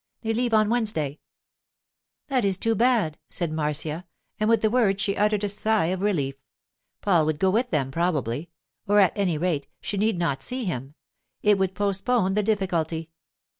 They leave on Wednesday.' 'That is too bad,' said Marcia, and with the words she uttered a sigh of relief. Paul would go with them, probably; or, at any rate, she need not see him; it would postpone the difficulty.